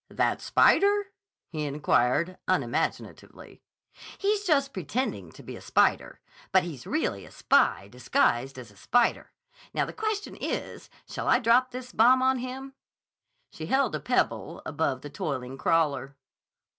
"That spider?" he inquired unimaginatively. "He's just pretending to be a spider. But he's really a spy disguised as a spider. Now the question is, Shall I drop this bomb on him?" She held a pebble above the toiling crawler.